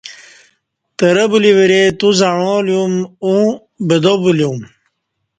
ترہ بلی ورے توزعاں لیوم ا ں بدابلیوم